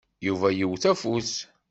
Yuba yewwet afus.